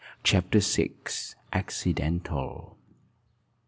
CHAPTER VI. ACCIDENTAL.